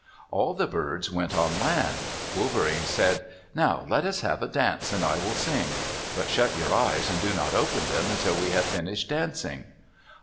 All the birds went on land. Wolverene said, "Now let us have a dance and I will sing. But shut your eyes and do not open them until we have finished dancing."